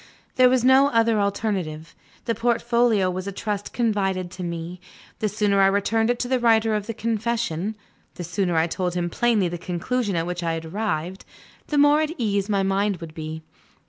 There was no other alternative. The portfolio was a trust confided to me; the sooner I returned it to the writer of the confession the sooner I told him plainly the conclusion at which I had arrived the more at ease my mind would be.